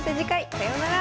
さようなら。